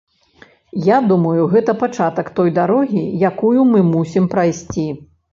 Я думаю, гэта пачатак той дарогі, якую мы мусім прайсці.